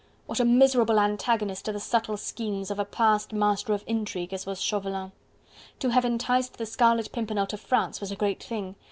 What a miserable antagonist the subtle schemes of a past master of intrigue as was Chauvelin. To have enticed the Scarlet Pimpernel to France was a great thing!